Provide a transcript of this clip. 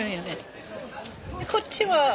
こっちは？